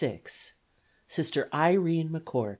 Sister Irene McCourt.